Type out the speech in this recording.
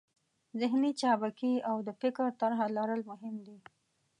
ذهني چابکي او د فکر طرحه لرل مهم دي.